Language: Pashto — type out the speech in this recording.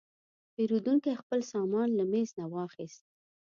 پیرودونکی خپل سامان له میز نه واخیست.